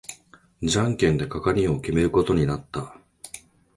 じゃんけんで係を決めることになった。